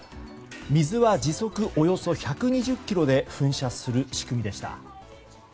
水は時速およそ１２０キロで噴射する仕組みでした。